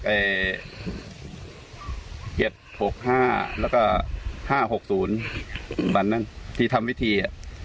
๗๖๕แล้วก็๕๖๐บ้านนั้นที่ทำวิธี